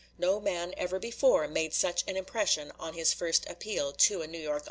No man ever before made such an impression on his first appeal to a New York audience."